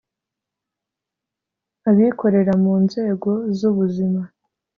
abikorera mu nzego z ubuzima